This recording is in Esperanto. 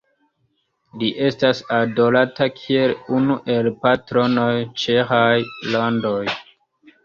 Li estas adorata kiel unu el patronoj de ĉeĥaj landoj.